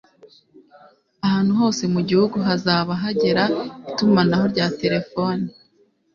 ahantu hose mu gihugu hazaba hagera itumanaho rya telefoni